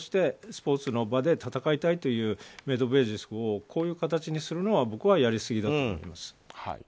スポーツの場で戦いたいというメドベージェフ選手をこのような形にするのは僕はやりすぎだと思います。